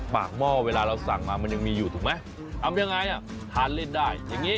ปากหม้อเวลาเราสั่งมามันยังมีอยู่ถูกไหมเอาเป็นอย่างไรทานเล่นได้อย่างนี้